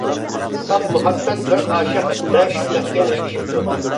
ساپ مۇھەببەت بىر ئاشىق-مەشۇق مەھكەم يېپىشىپتۇ.